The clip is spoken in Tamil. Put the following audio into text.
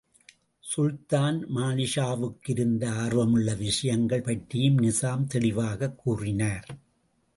சுல்தான் மாலிக்ஷாவுக்கிருந்த ஆர்வமுள்ள விஷயங்கள் பற்றியும் நிசாம் தெளிவாகக் கூறினார்.